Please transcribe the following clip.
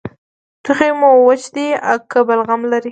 ټوخی مو وچ دی که بلغم لري؟